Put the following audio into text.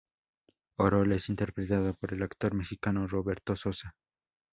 Orol es interpretado por el actor mexicano Roberto Sosa.